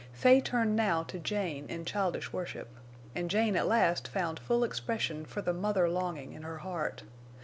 Fay turned now to Jane in childish worship. And Jane at last found full expression for the mother longing in her heart.